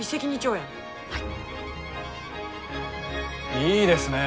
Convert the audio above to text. いいですね